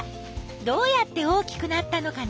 どうやって大きくなったのかな？